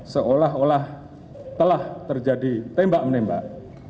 seolah olah telah terjadi tembak menembak